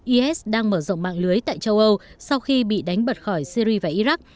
is đang mở rộng mạng lưới tại châu âu sau khi bị đánh bật khỏi syri và iraq